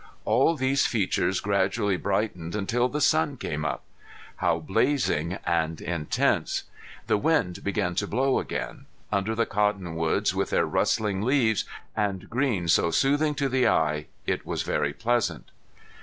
All these features gradually brightened until the sun came up. How blazing and intense! The wind began to blow again. Under the cottonwoods with their rustling leaves, and green so soothing to the eye, it was very pleasant.